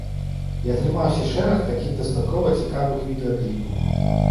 І атрымаўся шэраг такіх дастаткова цікавых відэакліпаў.